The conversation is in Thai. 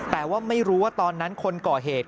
แต่ว่าไม่รู้ว่าตอนนั้นคนก่อเหตุ